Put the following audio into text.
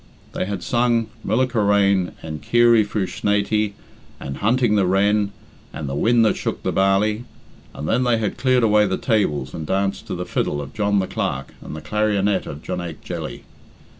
They had sung "Mylecharane," and "Keerie fu Snaighty," and "Hunting the Wren," and "The Win' that Shook the Barley," and then they had cleared away the tables and danced to the fiddle of John the Clerk and the clarionet of Jonaique Jelly.